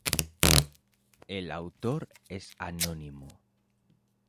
El autor es anónimo.